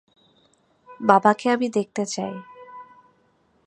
বাবাকে আমি দেখতে চাই।